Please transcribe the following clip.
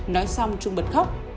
nói xong trung bật khóc